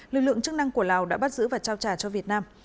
lực lượng chức năng của lào đã bắt giữ và trao trả cho việt nam